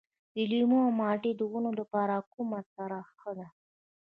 د لیمو او مالټې د ونو لپاره کومه سره ښه ده؟